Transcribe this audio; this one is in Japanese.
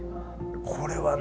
これはね